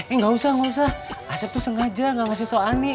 eh gak usah asep tuh sengaja gak ngasih tau ani